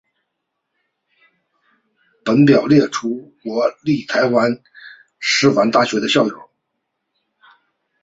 本表列出国立台湾师范大学的校友。